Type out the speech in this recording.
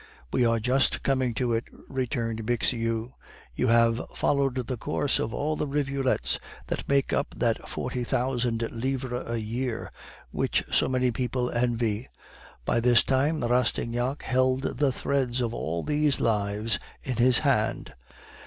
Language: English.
"We are just coming to it," returned Bixiou. "You have followed the course of all the rivulets which make up that forty thousand livres a year which so many people envy. By this time Rastignac held the threads of all these lives in his hand."